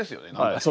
そう。